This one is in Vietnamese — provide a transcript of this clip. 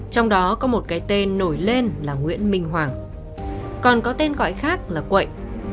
trong đó có một cái tên nổi lên là nguyễn minh hoàng còn có tên gọi khác là quậy